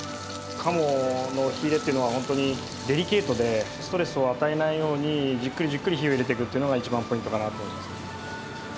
鴨の火入れっていうのはホントにデリケートでストレスを与えないようにじっくりじっくり火を入れていくっていうのが一番ポイントかなと思います。